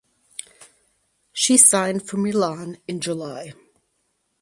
She signed for Milan in July.